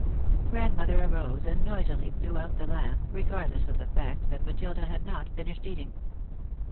Grandmother arose and noisily blew out the lamp, regardless of the fact that Matilda had not finished eating.